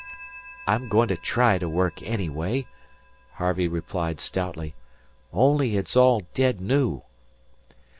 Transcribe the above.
"I'm going to try to work, anyway," Harvey replied stoutly. "Only it's all dead new."